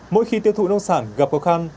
mỗi khi tiêu thụ nông sản gặp khó khăn